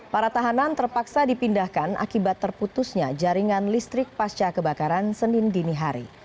para tahanan terpaksa dipindahkan akibat terputusnya jaringan listrik pasca kebakaran senin dini hari